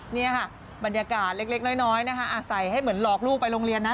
นี่ค่ะบรรยากาศเล็กน้อยนะคะใส่ให้เหมือนหลอกลูกไปโรงเรียนนะ